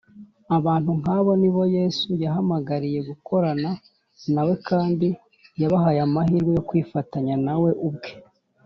abantu nk’abo ni bo yesu yahamagariye gukorana na we kandi yabahaye amahirwe yo kwifatanya na we ubwe